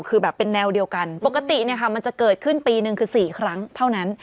คือแบบเป็นแนวเดียวกันปกติเนี่ยค่ะมันจะเกิดขึ้นปีหนึ่งคือ๔ครั้งเท่านั้น